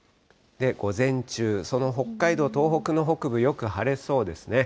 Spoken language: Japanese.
午前中、その北海道、東北の北部、よく晴れそうですね。